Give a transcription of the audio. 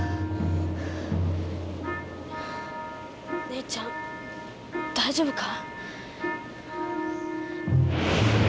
ねえちゃん大丈夫か？